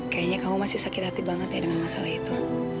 kayaknya kamu masih sakit hati banget ya dengan masalah itu